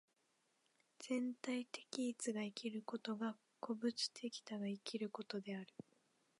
全体的一が生きることが個物的多が生きることである。